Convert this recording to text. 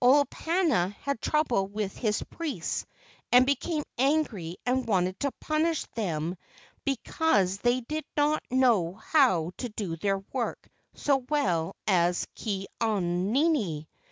Olopana had trouble with his priests and became angry and wanted to punish them be¬ cause they did not know how to do their work so well as Ke au nini.